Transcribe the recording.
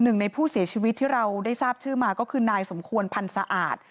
หนึ่งในผู้เสียชีวิตที่เราได้ทราบชื่อมาก็คือนายสมควรพันธ์สะอาด